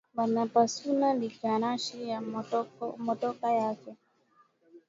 Bana pasula rikalashi ya motoka yake